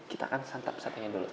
kita akan santap sate nya dulu